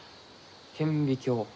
顕微鏡？